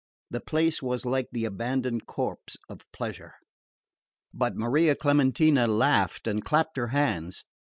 The place was like the abandoned corpse of pleasure. But Maria Clementina laughed and clapped her hands.